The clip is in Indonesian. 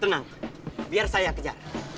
tenang biar saya kejar